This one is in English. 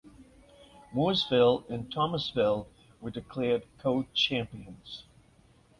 Mooresville and Thomasville were declared co–champions.